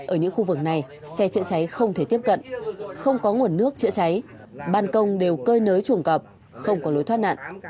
ở những khu vực này xe chữa cháy không thể tiếp cận không có nguồn nước chữa cháy ban công đều cơi nới chuồng cọp không có lối thoát nạn